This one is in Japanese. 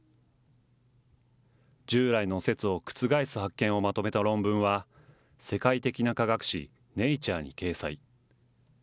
従来の説を覆す発見をまとめた論文は、世界的な科学誌、ｎａｔｕｒｅに掲載。